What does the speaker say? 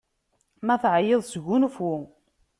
Ma teεyiḍ, sgunfu!